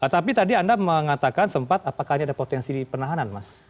tapi tadi anda mengatakan sempat apakah ini ada potensi penahanan mas